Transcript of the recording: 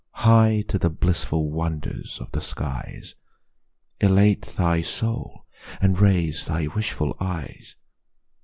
High to the blissful wonders of the skies Elate thy soul, and raise thy wishful eyes.